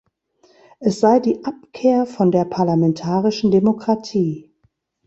Es sei die „Abkehr von der parlamentarischen Demokratie“.